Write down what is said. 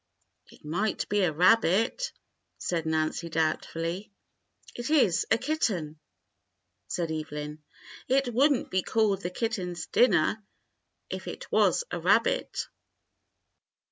"It might be a rabbit," said Nancy doubtfully. "It is a kitten," said Evelyn. "It would n't be called 'The Eatten's Dinner' if it was a rabbit."